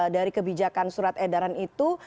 dari kebijakan surat edaran itu